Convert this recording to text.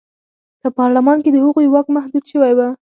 په پارلمان کې د هغوی واک محدود شوی و.